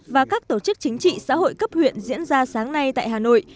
và các tổ chức chính trị xã hội cấp huyện diễn ra sáng nay tại hà nội